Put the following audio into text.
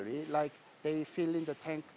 seperti mereka memasang di tank